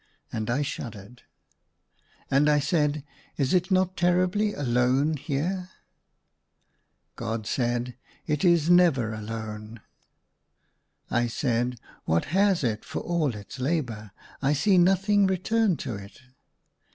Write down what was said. And I shuddered. And I said, " Is it not terribly alone here .'*" God said, " It is never alone !" I said, " What has it for all its labour ? I see nothing return to it."